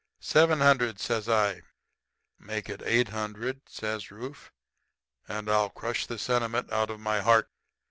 "'Seven hundred,' says I. "'Make it eight hundred,' says Rufe, 'and I'll crush the sentiment out of my heart.'